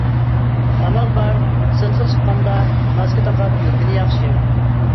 ئامال بار سىرتقا چىققاندا ماسكا تاقاپ يۈرگىنى ياخشى.